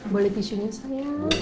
boleh tisu nyesel ya